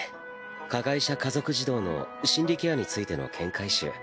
加害者家族児童の心理ケアについての見解集。